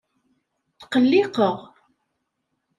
Tqelliqeɣ.